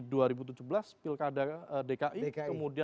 dua ribu tujuh belas pilkada dki